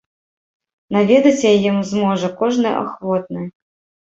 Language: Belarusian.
Наведаць яе зможа кожны ахвотны.